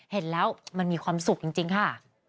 เห็นแล้วมันมีความสุขจริงค่ะ